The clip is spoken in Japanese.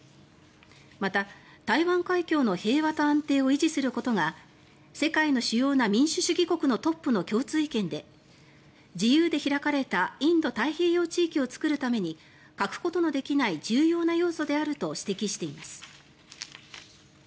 また、台湾海峡の平和と安定を維持することが世界の主要な民主主義国のトップの共通意見で自由で開かれたインド太平洋地域を作るために欠くことのできない重要な要素であると指摘しています。